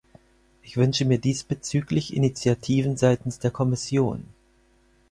Ich wünsche mir diesbezüglich Initiativen seitens der Kommission.